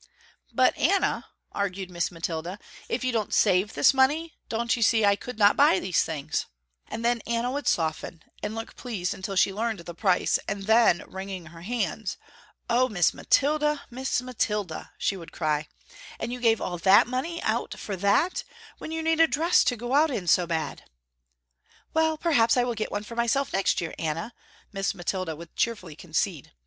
"But Anna," argued Miss Mathilda, "if you didn't save this money, don't you see I could not buy these things," and then Anna would soften and look pleased until she learned the price, and then wringing her hands, "Oh, Miss Mathilda, Miss Mathilda," she would cry, "and you gave all that money out for that, when you need a dress to go out in so bad." "Well, perhaps I will get one for myself next year, Anna," Miss Mathilda would cheerfully concede.